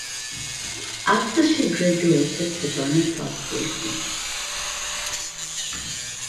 After she graduated Sedona taught briefly.